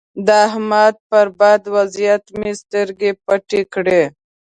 د احمد پر بد وضيعت مې سترګې پټې کړې.